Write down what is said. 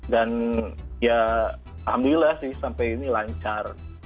dan ya alhamdulillah sih sampai ini lancar